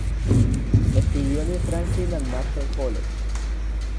Estudió en el "Franklin and Marshall College".